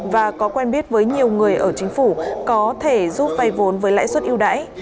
và có quen biết với nhiều người ở chính phủ có thể giúp vay vốn với lãi suất yêu đáy